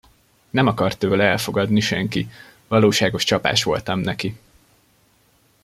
Nem akart tőle elfogadni senki, valóságos csapás voltam neki.